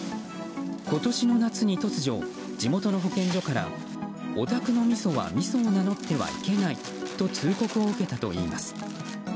今年の夏に突如地元の保健所からお宅のみそはみそを名乗ってはいけないと通告を受けたといいます。